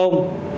của cha mẹ